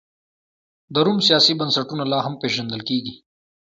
د روم سیاسي بنسټونه لا هم پېژندل کېږي.